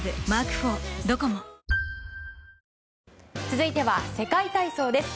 続いては世界体操です。